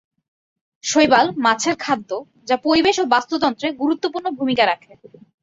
শৈবাল মাছের খাদ্য, যা পরিবেশ ও বাস্তুতন্ত্রে গুরুত্বপূর্ণ ভুমিকা রাখে।